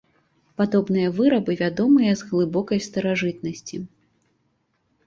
Падобныя вырабы вядомыя з глыбокай старажытнасці.